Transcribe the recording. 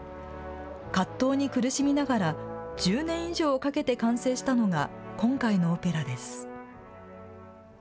葛藤に苦しみながら１０年以上をかけて完成したのが今回のオペラです。